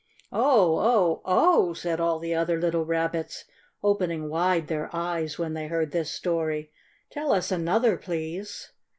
"Oh! Oh! Oh!" said all the other little Rabbits, opening wide their eyes when they heard this story. "Tell us another, please!"